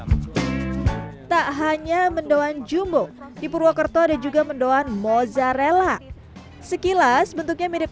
hai tak hanya mendoan jumbo di purwokerto ada juga mendoan mozzarella sekilas bentuknya mirip